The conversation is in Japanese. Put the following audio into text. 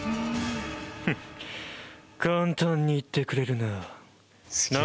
「ふっ簡単に言ってくれるな。